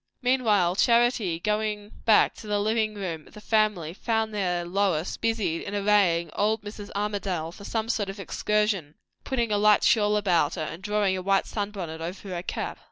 Meanwhile, Charity, going back to the living room of the family, found there Lois busied in arraying old Mrs. Armadale for some sort of excursion; putting a light shawl about her, and drawing a white sun bonnet over her cap.